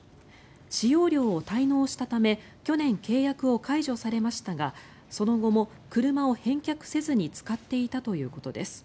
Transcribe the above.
使用料を滞納したため去年、契約を解除されましたがその後も車を返却せずに使っていたということです。